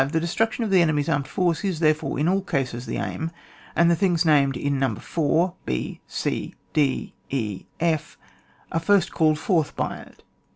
The destraction of the enemy's armed force is, therefore, in all cases the aim, and the things named in No. 4, b c d e f, are first called forth by it, but L 146 ON WAR.